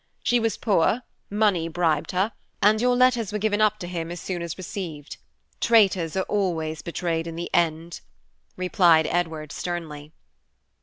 She was poor, money bribed her, and your letters were given up to him as soon as received. Traitors are always betrayed in the end," replied Edward sternly.